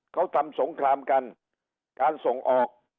เขาทำสงครามกันการส่งออก